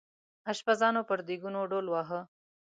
اشپزانو پر دیګونو ډول واهه.